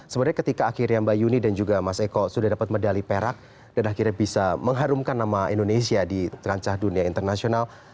sebenarnya ketika akhirnya mbak yuni dan juga mas eko sudah dapat medali perak dan akhirnya bisa mengharumkan nama indonesia di terancah dunia internasional